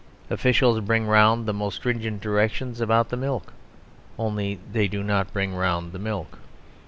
Officials bring round the most stringent directions about the milk; only they do not bring round the milk.